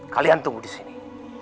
kalian tunggu disini